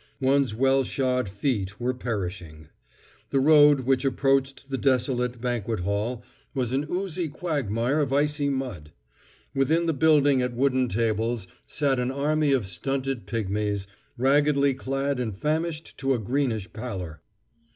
One's well shod feet were perishing. The road which approached the desolate banquet hall, was an oozy quagmire of icy mud. Within the building at wooden tables sat an army of stunted pigmies, raggedly clad and famished to a greenish pallor.